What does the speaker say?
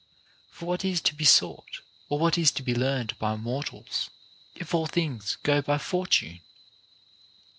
For what is to be sought or what is to be learned by mortals, if all things go by Fortune